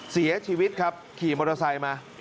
เสียชีวิตครับขี่มอเตอร์ไซค์มา